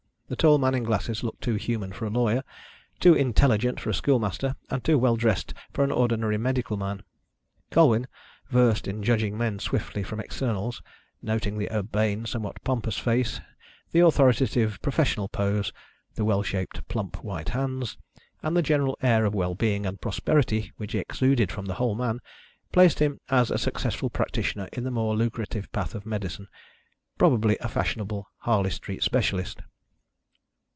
The tall man in glasses looked too human for a lawyer, too intelligent for a schoolmaster, and too well dressed for an ordinary medical man. Colwyn, versed in judging men swiftly from externals, noting the urbane, somewhat pompous face, the authoritative, professional pose, the well shaped, plump white hands, and the general air of well being and prosperity which exuded from the whole man, placed him as a successful practitioner in the more lucrative path of medicine probably a fashionable Harley Street specialist.